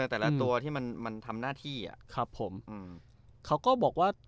แต่ละตัวที่มันมันทำหน้าที่อ่ะครับผมอืมเขาก็บอกว่า